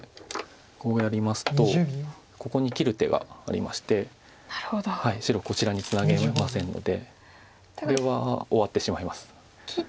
こうやりますとここに切る手がありまして白こちらにツナげませんのでこれは終わってしまいます。